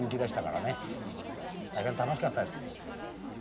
大変楽しかったです。